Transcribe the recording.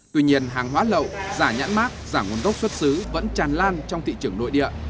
tuy nhiên hàng hóa lậu giả nhãn mát giả nguồn gốc xuất xứ vẫn tràn lan trong thị trường nội địa